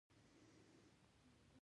لمن د هر زنځير اوس خورېدلی دی